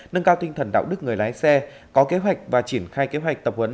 nâng cao tinh thần đạo đức người lái xe có kế hoạch và triển khai kế hoạch tập huấn